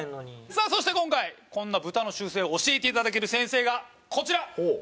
さあそして今回こんなブタの習性を教えていただける先生がこちら！